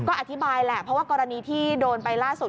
ก็อธิบายแหละเพราะว่ากรณีที่โดนไปล่าสุด